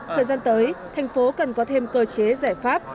thời gian tới thành phố cần có thêm cơ chế giải pháp